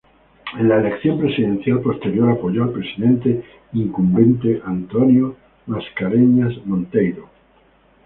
En la elección presidencial posterior, apoyó al presidente incumbente António Mascarenhas Monteiro.